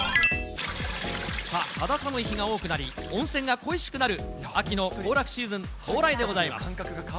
さあ、肌寒い日が多くなり、温泉が恋しくなる秋の行楽シーズン到来でございます。